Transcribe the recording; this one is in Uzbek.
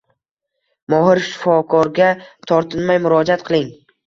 Mohir shifokorga tortinmay murojaat qiling.